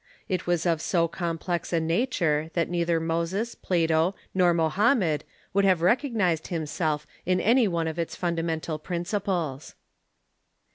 It was of so complex a nature that neither Moses, Plato, nor Mo hammed would have recognized himself in any one of its fun damental principles.